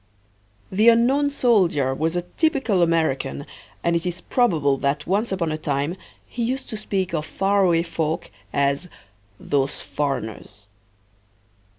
The unknown soldier was a typical American and it is probable that once upon a time he used to speak of faraway folk as "those foreigners."